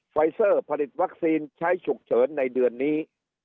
ไฟเซอร์ผลิตวัคซีนใช้ฉุกเฉินในเดือนนี้